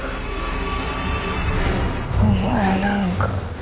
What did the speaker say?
お前なんか。